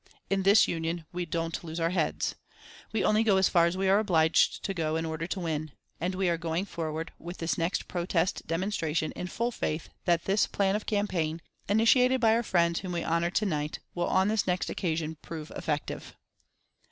In this Union we don't lose our heads. We only go as far as we are obliged to go in order to win, and we are going forward with this next protest demonstration in full faith that this plan of campaign, initiated by our friends whom we honour to night, will on this next occasion prove effective."